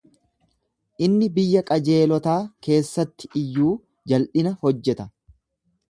Inni biyya qajeelotaa keessatti iyyuu jal'ina hojjeta.